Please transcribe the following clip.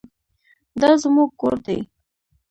دا زموږ ګور دی